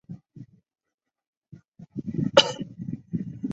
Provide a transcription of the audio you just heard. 硬叶水毛茛为毛茛科水毛茛属下的一个种。